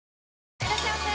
いらっしゃいませ！